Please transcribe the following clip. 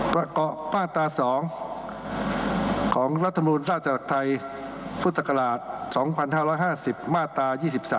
ประเกาะมาตราสองของรัฐมนุนราชอาณาจักรไทยพุทธศักราช๒๕๕๐มาตรา๒๓